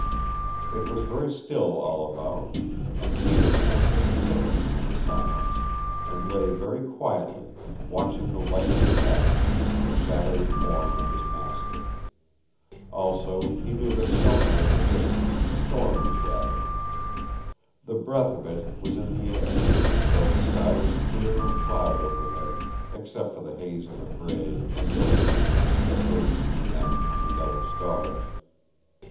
It was very still all about, and Peter sensed a significance in the silence, and lay very quietly watching the light in the cabin, and the shadowy form of his master. Also he knew that somewhere in the distance a storm was gathering. The breath of it was in the air, though the sky was clear of cloud overhead, except for the haze of a gray and ghostly mist that lay between them and the yellow stars.